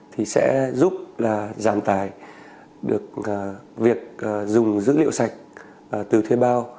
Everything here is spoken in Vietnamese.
thì sẽ giúp là giảm tài được việc dùng dữ liệu sạch từ thuê bao